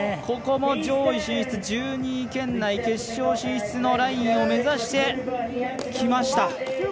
ここも上位進出１２位圏内決勝進出のラインを目指してきました。